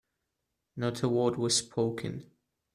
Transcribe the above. Not a word was spoken.